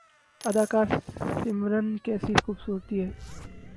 اداکارہ سمرن کیسی خوبصورتی ہے